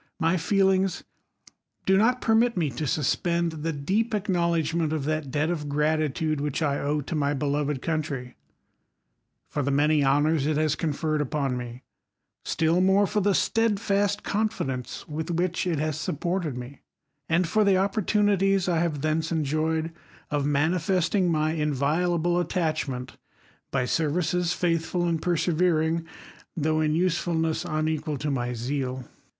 y feel ^ ings do not permit me to suspend the deep acknowl ' edgment of that debt of gratitude which I owe to my beloved country, for the many honors it has conferred^ upon me ; still more for the stedfast confidence withj which] THE COLUMBIAN ORATOR. Mi) which it has supported me ; and for tiie opportunities I have thence enjoyed of manifesting my inviolable at tachment, by services faithful and persevering, though in usefulness unequal to my zeal.